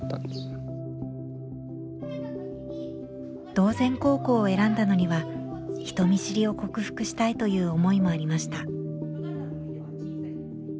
島前高校を選んだのには人見知りを克服したいという思いもありました。